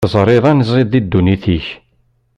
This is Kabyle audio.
Teẓriḍ anziḍ di ddunit-ik?